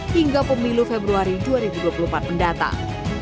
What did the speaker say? hingga pemilu februari dua ribu dua puluh empat mendatang